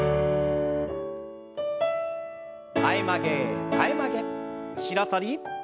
前曲げ前曲げ後ろ反り。